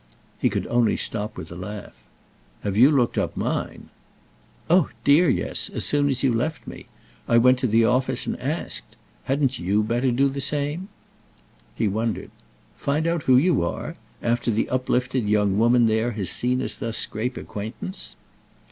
He could only stop with a laugh. "Have you looked up mine?" "Oh dear, yes—as soon as you left me. I went to the office and asked. Hadn't you better do the same?" He wondered. "Find out who you are?—after the uplifted young woman there has seen us thus scrape acquaintance!"